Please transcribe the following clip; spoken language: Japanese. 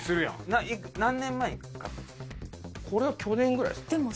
これは去年ぐらいですね。